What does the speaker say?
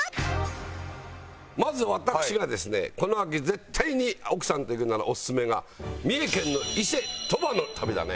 まず私がですねこの秋絶対に奥さんと行くならオススメが三重県の伊勢・鳥羽の旅だね。